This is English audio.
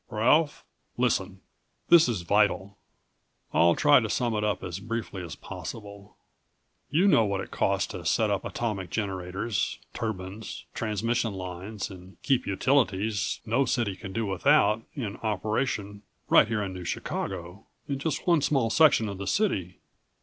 "Ralph, listen. This is vital. I'll try to sum it up as briefly as possible. You know what it cost to set up atomic generators, turbines, transmission lines, and keep utilities no city can do without in operation right here in New Chicago, in just one small section of the city?